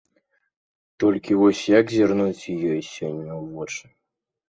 Толькі вось як зірнуць ёй сёння ў вочы?